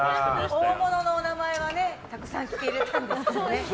大物のお名前はたくさん聞けたんですけどね。